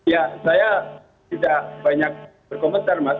ya saya tidak banyak berkomentar mas